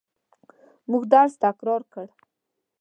موږ درس تکرار کړ.